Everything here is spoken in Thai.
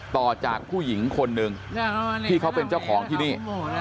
ต่อจากผู้หญิงคนหนึ่งที่เขาเป็นเจ้าของที่นี่